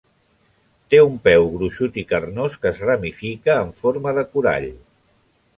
Té un peu gruixut i carnós que es ramifica en forma de corall.